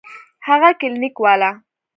هغه کلينيک والا.